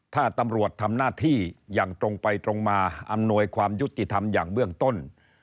ถ้าตำรวจทำหน้าที่อย่างตรงไปตรงมาอำนวยความยุติธรรมอย่างเบื้องต้น